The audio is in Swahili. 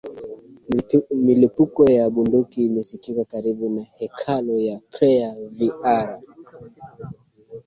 milipuko ya bunduki imesikika karibu na hekalu ya prayer vr